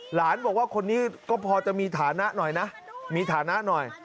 หลานบอกว่าคนนี้ก็พอจะมีฐานะหน่อยนะมีฐานะหน่อย